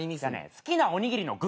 好きなおにぎりの具。